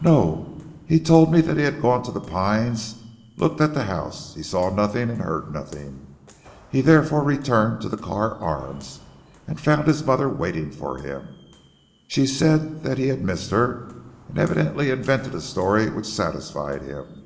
"No. He told me that he had gone to 'The Pines' and looked at the house. He saw nothing and heard nothing. He therefore returned to the Carr Arms, and found his mother waiting for him. She said that he had missed her, and evidently invented a story which satisfied him.